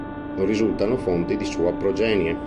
Non risultano fonti di sua progenie.